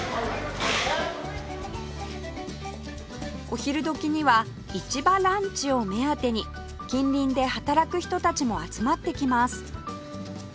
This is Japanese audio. お昼時には市場ランチを目当てに近隣で働く人たちも集まってきます